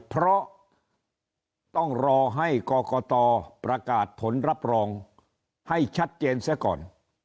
เพราะต้องรอให้กรกตประกาศผลรับรองให้ชัดเจนเสียก่อน